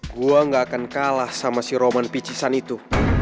gue gak akan kalah sama si roman picisan itu